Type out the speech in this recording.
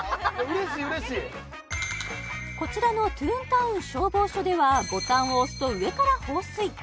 こちらのトゥーンタウン消防署ではボタンを押すと上から放水！